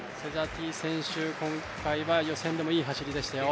今回は予選でもいい走りでしたよ。